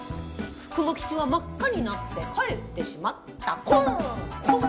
クマ吉は真っ赤になって帰ってしまったコン！